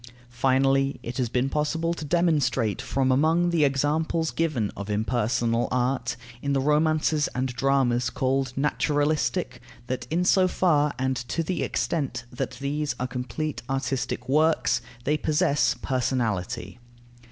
Finally, it has been possible to demonstrate from among the examples given of impersonal art, in the romances and dramas called naturalistic, that in so far and to the extent that these are complete artistic works, they possess personality.